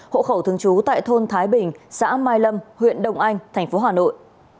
hộ khẩu thường trú tại thôn thái bình xã mai lâm huyện đông anh tp hà nội